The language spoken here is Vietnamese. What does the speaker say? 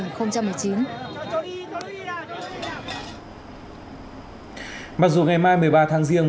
mặc dù ngày mai một mươi ba tháng riêng